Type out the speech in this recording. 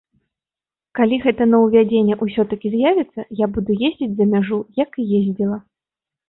Калі гэта новаўвядзенне ўсё-такі з'явіцца, я буду ездзіць за мяжу, як і ездзіла.